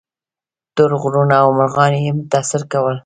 ټول غرونه او مرغان یې متاثر کول.